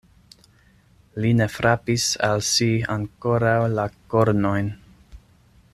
Li ne frapis al si ankoraŭ la kornojn.